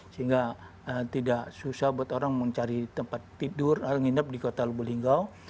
sehingga tidak susah buat orang mencari tempat tidur atau nginep di kota lubu linggau